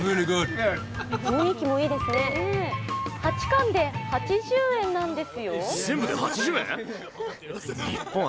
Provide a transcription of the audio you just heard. ８貫で８０円なんですよ。